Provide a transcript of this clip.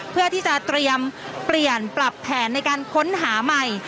เพื่อที่จะเตรียมเปลี่ยนปรับแผนในการค้นหาใหม่